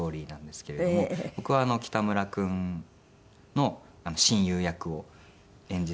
僕は北村君の親友役を演じさせて。